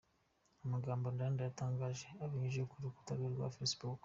Amagambo Ndanda yatangaje abinyujije ku rukuta rwe rwa Facebook.